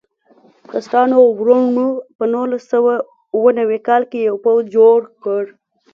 کسټانو وروڼو په نولس سوه اوه نوي کال کې یو پوځ جوړ کړ.